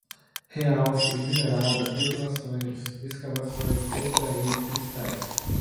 realce, esmeralda, detonações, escavações, extrair, cristais